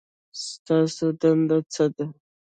ستاسو دنده څه ده؟